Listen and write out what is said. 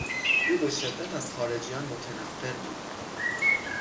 او به شدت از خارجیان متنفر بود.